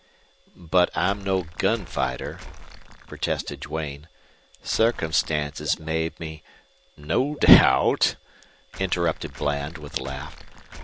"But I'm no gun fighter," protested Duane. "Circumstances made me " "No doubt," interrupted Bland, with a laugh.